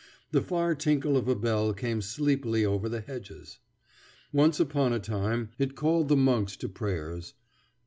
The far tinkle of a bell came sleepily over the hedges. Once upon a time it called the monks to prayers.